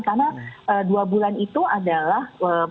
karena dua bulan itu adalah